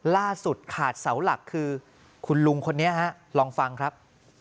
ล่าสุดขาดเสาหลักคือคุณลุงคนนี้ฮะลองฟังครับ